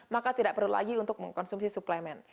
maka tidak perlu lagi untuk mengkonsumsi suplemen